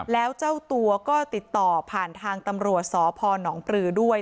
แล้วเจ้าตัวก็ติดต่อผ่านทางตำรวจสพนปลือด้วย